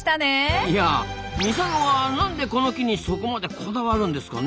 いやミサゴはなんでこの木にそこまでこだわるんですかね？